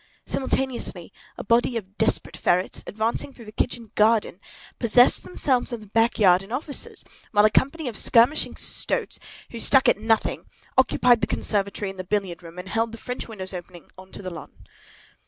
Simultaneously, a body of desperate ferrets, advancing through the kitchen garden, possessed themselves of the backyard and offices; while a company of skirmishing stoats who stuck at nothing occupied the conservatory and the billiard room, and held the French windows opening on to the lawn.